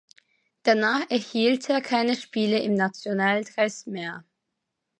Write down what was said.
Danach erhielt er keine Spiele im Nationaldress mehr.